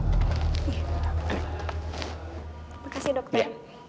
terima kasih dokter